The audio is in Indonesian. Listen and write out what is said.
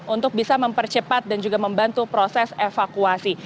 untuk bisa mempercepat dan juga membantu proses evakuasi